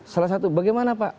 salah satu bagaimana pak